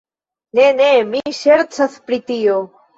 Ne, ne, mi ŝercas pri tio